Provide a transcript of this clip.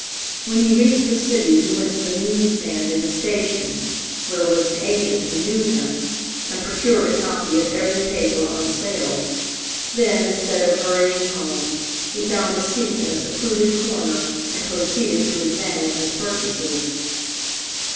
When he reached the city he went to the news stand in the station, where was an agent who knew him, and procured a copy of every paper on sale. Then, instead of hurrying home, he found a seat in a secluded corner and proceeded to examine his purchases.